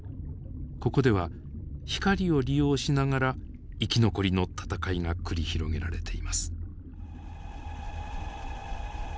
ここでは光を利用しながら生き残りの闘いが繰り広げられています。